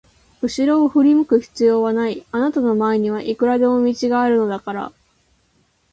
うしろを振り向く必要はない、あなたの前にはいくらでも道があるのだから。